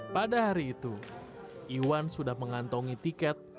pada hari itu iwan sudah mengantongi tiket